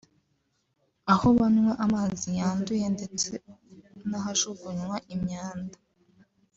aho banywa amazi yanduye ndetse n’ahajugunywa imyanda